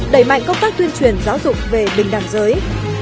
đẩy mạnh công tác tuyên truyền giáo dục về bình đẳng giới